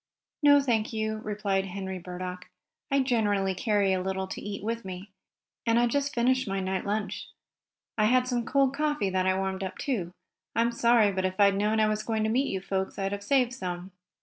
"No, thank you," replied Henry Burdock. "I generally carry a little to eat with me, and I just finished my night lunch. I had some cold coffee that I warmed up, too. I'm sorry, but if I had known I was going to meet you folks I'd have saved some."